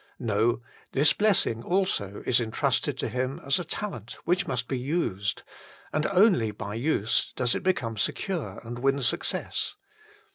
No : this blessing also is intrusted to him as a talent which must be used ; and only by use does it become secure and win success.